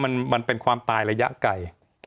ในความตายระยะไกล